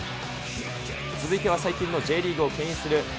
続いては最近のＪリーグをけん引する